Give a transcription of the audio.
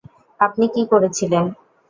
আপনি কী করেছিলেন?